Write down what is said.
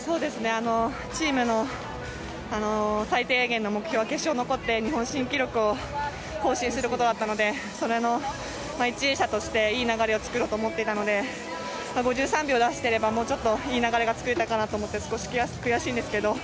チームの最低限の目標が決勝に残って、日本新記録を更新することだったのでそれの第１泳者としていい流れを作ろうと思っていたので５３秒出していればもうちょっといい流れが作れたかと思って少し悔しいんですけど。